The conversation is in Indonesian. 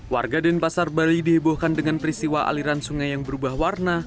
warga denpasar bali dihebohkan dengan peristiwa aliran sungai yang berubah warna